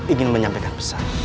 ingin menyampaikan pesan